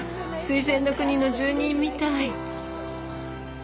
水仙の国の住人みたい。